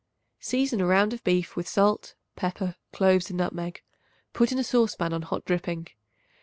Season a round of beef with salt, pepper, cloves and nutmeg. Put in a saucepan on hot dripping.